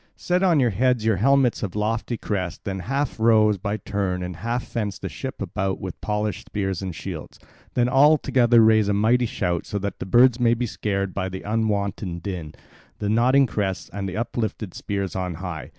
Set on your heads your helmets of lofty crest, then half row by turns, and half fence the ship about with polished spears and shields. Then all together raise a mighty shout so that the birds may be scared by the unwonted din, the nodding crests, and the uplifted spears on high.